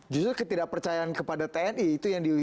justru ketidakpercayaan kepada tni itu yang di